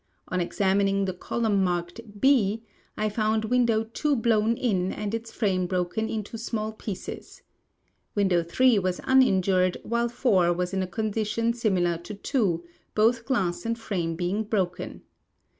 On exam ining the column marked 6, I found window 2 blown in and its frame broken into small pieces. Window 3 was uninjured, while 4 was in a condition similar to 2, both glass and frame being broken.